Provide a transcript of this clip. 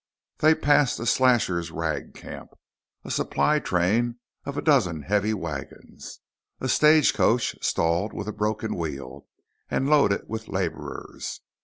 They passed a slashers' ragcamp, a supply train of a dozen heavy wagons, a stagecoach stalled with a broken wheel and loaded with laborers.